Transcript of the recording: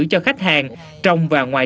cho khách hàng trong và ngoài